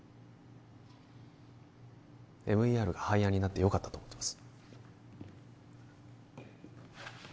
ＭＥＲが廃案になってよかったと思ってます